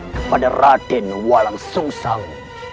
kepada raden walang susang